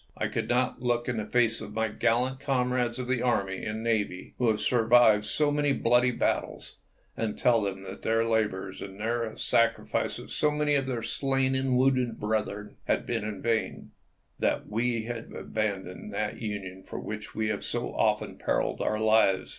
I could not look in the face of my gallant comrades of the army and navy, who have survived so many bloody battles, and tell them that their labors and the sacrifice of so many of our slain and wounded brethren had been in vain, that we had abandoned that Union for which we have so often periled our lives.